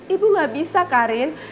ibu gak bisa karin